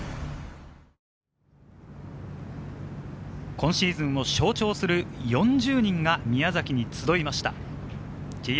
今シーズンを象徴する４０人が宮崎に集いました。